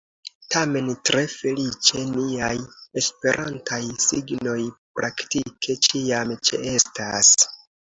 Tamen, tre feliĉe niaj esperantaj signoj praktike ĉiam ĉeestas.